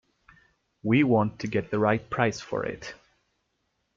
We want to get the right price for it.